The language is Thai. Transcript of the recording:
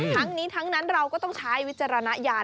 ทั้งนี้ทั้งนั้นเราก็ต้องใช้วิจารณญาณ